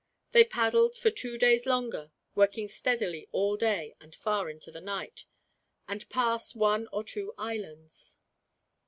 They paddled for two days longer, working steadily all day and far into the night, and passed one or two islands.